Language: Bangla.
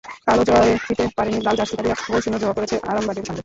কালও জয়ে ফিরতে পারেনি লাল জার্সিধারীরা, গোলশূন্য ড্র করেছে আরামবাগের সঙ্গে।